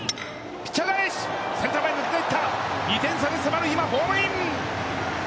センター前に抜けていった、２点差に迫る、今ホームイン！